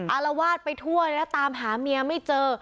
อารวาสไปทั่วเลยแล้วตามหาเมียไม่เจอ